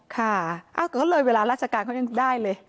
ก็เลยเวลาราชการเขายังได้เลย